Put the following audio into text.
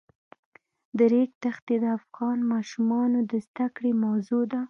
د ریګ دښتې د افغان ماشومانو د زده کړې موضوع ده.